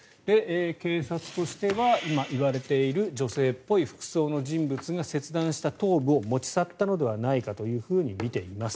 警察としては今、言われている女性っぽい服装の人物が切断した頭部を持ち去ったのではないかとみています。